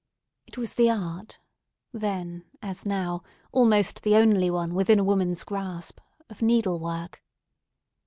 It was the art, then, as now, almost the only one within a woman's grasp—of needle work.